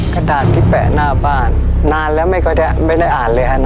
กระดาษที่แปะหน้าบ้านนานแล้วไม่ก็ได้ไม่ได้อ่านเลยอ่ะนาน